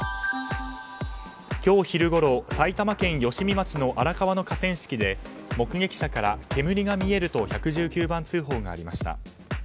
今日昼ごろ埼玉県吉見町の荒川の河川敷で目撃者から煙が見えると１１９番通報がありました。